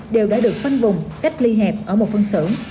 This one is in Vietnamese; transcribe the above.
đều đã được khoanh vùng cách ly hẹp ở một phân xưởng